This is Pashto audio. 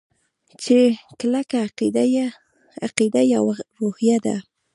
چې کلکه عقیده يوه روحیه ده.